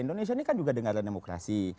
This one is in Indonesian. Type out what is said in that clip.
indonesia ini kan juga dengan demokrasi